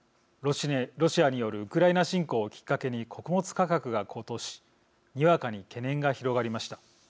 ロシアによるウクライナ侵攻をきっかけに穀物価格が高騰しにわかに懸念が広がりました。